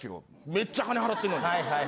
めっちゃ金払ってんのに。